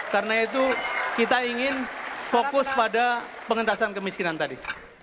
karena itu kita ingin fokus pada pengentaskan kemiskinan tadi